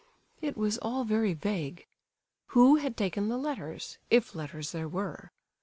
It was all very vague. Who had taken the letters, if letters there were?